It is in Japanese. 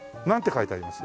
書いてあります？